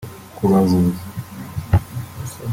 kubavuza